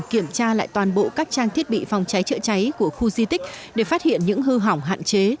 kiểm tra lại toàn bộ các trang thiết bị phòng cháy chữa cháy của khu di tích để phát hiện những hư hỏng hạn chế